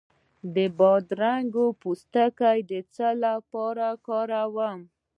د بادرنګ پوستکی د څه لپاره وکاروم؟